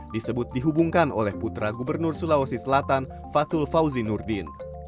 disebut dihubungkan oleh putra gubernur sulawesi selatan fatul fauzi nurdin